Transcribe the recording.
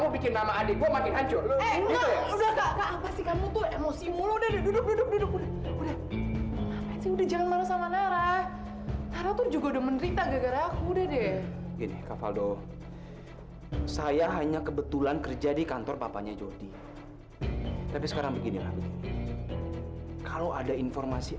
bisa balik sendiri